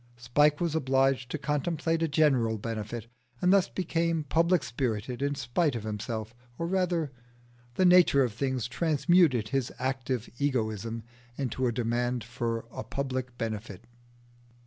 Spike was obliged to contemplate a general benefit, and thus became public spirited in spite of himself. Or rather, the nature of things transmuted his active egoism into a demand for a public benefit.